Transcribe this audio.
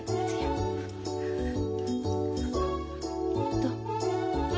どう？